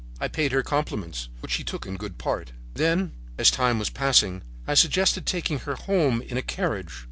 I paid her compliments, which she took in good part. Then, as time was passing, I suggested taking her home in a carriage.